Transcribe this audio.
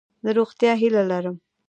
د روغتیا هیله لرم.